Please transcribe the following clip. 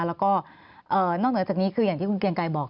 แล้วก็นอกเหนือจากนี้คืออย่างที่คุณเกียงไกรบอก